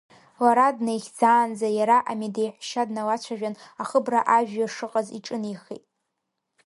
Лара днаихьӡаанӡа, иара амедеҳәшьа дналацәажәан, ахыбра ажәҩа шыҟаз иҿынеихеит.